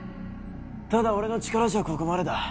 ただ俺の力じゃここまでだ。